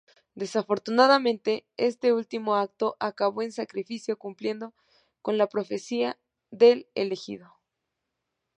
Desafortunadamente, este último acto acabó en sacrificio, cumpliendo con la profecía del Elegido.